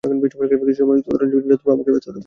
কিছু সময় তার জন্য নিদারুণভাবে আমাকে ব্যস্ত থাকতে হয়েছিল।